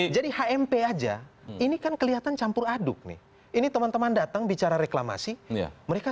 jadi hmp aja ini kan kelihatan campur aduk nih ini teman teman datang bicara reklamasi mereka